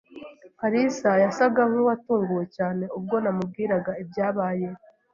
kalisa yasaga nkuwatunguwe cyane ubwo namubwiraga ibyabaye.